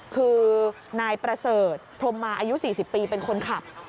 คือนายประเสริฐพรมมาอายุ๔๐ปีเป็นคนขับ